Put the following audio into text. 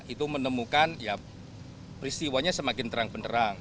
itu menemukan peristiwanya semakin terang penerang